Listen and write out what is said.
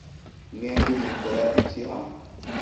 Mwembi mukora iki hano?